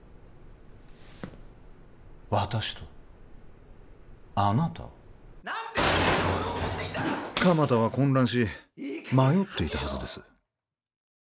私とあなたを鎌田は混乱し迷っていたはずですいい加減吐けよ！